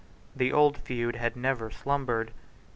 The old feud had never slumbered.